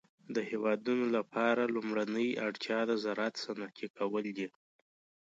د هيوادونو لپاره لومړنۍ اړتيا د زراعت صنعتي کول دي.